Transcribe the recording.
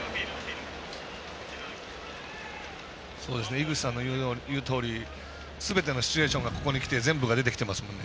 井口さんの言うとおりすべてのシチュエーションが全部が出てきてますもんね。